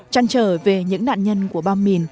chân trở về những nạn nhân bom mỉn